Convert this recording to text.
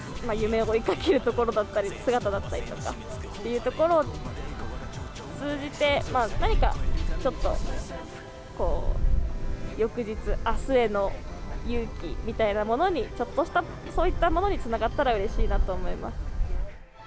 夢を追いかけるところだったり、姿だったりとかというところを通じて、何かちょっと、翌日、あすへの勇気みたいなものに、ちょっとした、そういったものにつながったらうれしいなと思います。